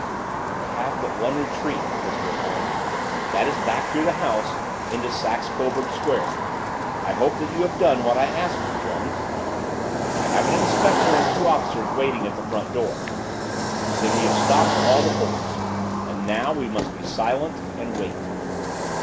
"They have but one retreat," whispered Holmes. "That is back through the house into Saxe Coburg Square. I hope that you have done what I asked you, Jones?" "I have an inspector and two officers waiting at the front door." "Then we have stopped all the holes. And now we must be silent and wait."